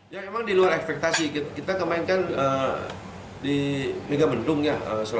ya memang diluar ekspektasi kita kemainkan di megabendung ya